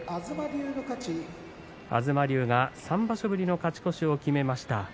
東龍が３場所ぶりの勝ち越しを決めました。